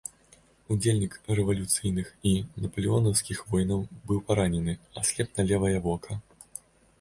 Удзельнік рэвалюцыйных і напалеонаўскіх войнаў, быў паранены, аслеп на левае вока.